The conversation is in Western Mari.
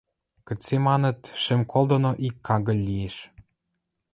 Кыце маныт, шӹм кол доно ик кагыль лиэш.